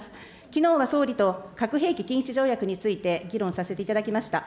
きのうは総理と、核兵器禁止条約について議論させていただきました。